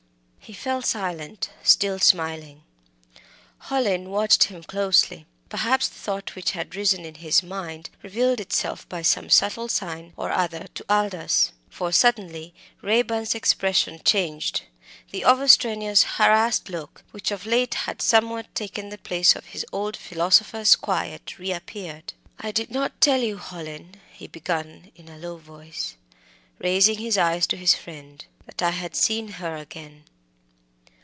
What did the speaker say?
He fell silent, still smiling. Hallin watched him closely. Perhaps the thought which had risen in his mind revealed itself by some subtle sign or other to Aldous. For suddenly Raeburn's expression changed; the over strenuous, harassed look, which of late had somewhat taken the place of his old philosopher's quiet, reappeared. "I did not tell you, Hallin," he began, in a low voice, raising his eyes to his friend, "that I had seen her again."